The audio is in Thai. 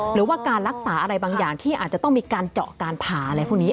หรือว่าการรักษาอะไรบางอย่างที่อาจจะต้องมีการเจาะการผ่าอะไรพวกนี้